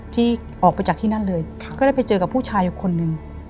ที่ออกไปจากที่นั่นเลยก็ได้ไปเจอกับผู้ชายอีกคนนึง